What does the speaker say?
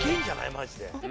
マジで。